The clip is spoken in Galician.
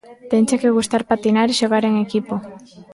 Tenche que gustar patinar e xogar en equipo.